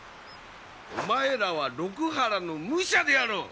お前らは六波羅の武者であろう！